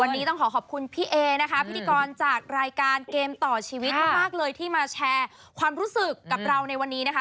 วันนี้ต้องขอขอบคุณพี่เอนะคะพิธีกรจากรายการเกมต่อชีวิตมากเลยที่มาแชร์ความรู้สึกกับเราในวันนี้นะคะ